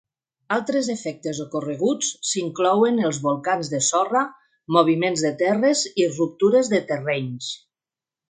Altres efectes ocorreguts s'inclouen els volcans de sorra, moviments de terres i ruptures de terrenys.